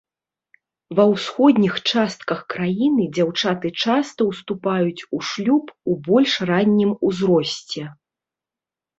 Ва ўсходніх частках краіны дзяўчаты часта ўступаюць у шлюб у больш раннім узросце.